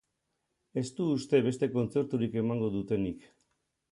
Ez du uste beste kontzerturik emango dutenik.